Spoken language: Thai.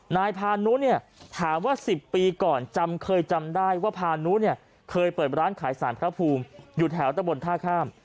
นายพานุเนี่ยถามว่า๑๐ปีก่อนจำเคยจำได้ว่าพานุเนี่ยเคยเปิดร้านขายสารพระภูมิอยู่แถวตะบนท่าข้าม